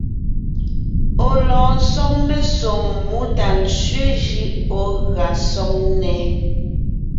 Ɔ̀ lɔɔn sɔg mesoŋ mú tà ntsẅé jʉʼ ɔ̀ gʉa sɔg nnɛ́.